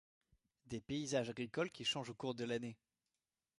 Des paysages agricoles qui changent au cours de l'année.